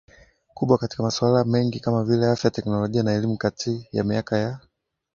kubwa katika masuala mengi kama vile afya teknolojia na elimu Kati ya miaka ya